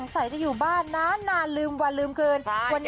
ใครจะอยู่บ้านนานอ่ะอ่าว่าเริ่มคืน